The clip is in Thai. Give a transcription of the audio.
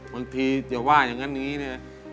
บางทีจะว่าอย่างนั้นอย่างนี้เนี่ย